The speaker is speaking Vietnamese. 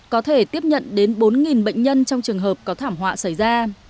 có thể tiếp nhận đến bốn bệnh nhân trong trường hợp có thảm họa xảy ra